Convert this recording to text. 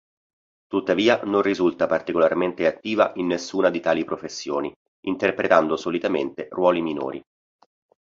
Tuttavia non risulta particolarmente attiva in nessuna di tali professioni, interpretando solitamente ruoli minori.